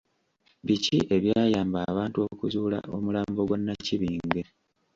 Biki ebyayamba abantu okuzuula omulambo gwa Nnakibinge?